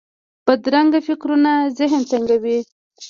بدرنګه فکرونه ذهن تنګوي